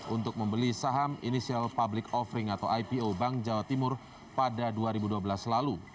untuk membeli saham initial public offering atau ipo bank jawa timur pada dua ribu dua belas lalu